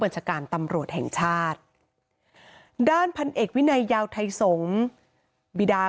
ชาการตำรวจแห่งชาติด้านพันเอกวินัยยาวไทยสงฆ์บิดา